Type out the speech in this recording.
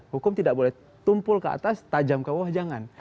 hukum tidak boleh tumpul ke atas tajam ke wah jangan